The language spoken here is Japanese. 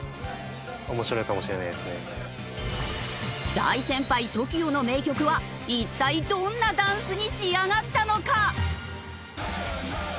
大先輩ＴＯＫＩＯの名曲は一体どんなダンスに仕上がったのか？